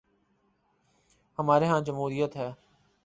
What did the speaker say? ہمارے ہاں جمہوریت ہے۔